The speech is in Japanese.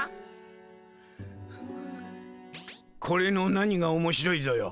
これの何が面白いぞよ？